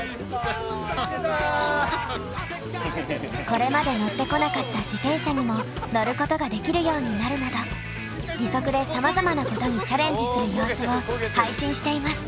これまで乗ってこなかった自転車にも乗ることができるようになるなど義足でさまざまなことにチャレンジする様子を配信しています。